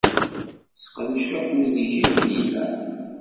Seqdec akud-ik akken ilaq.